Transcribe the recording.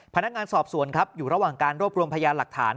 พนักงานสอบสวนครับอยู่ระหว่างการรวบรวมพยานหลักฐาน